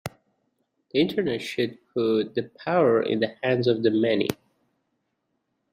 The Internet should put the power in the hands of the many.